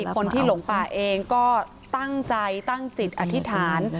คนที่หลงป่าเองก็ตั้งใจตั้งจิตอธิษฐาน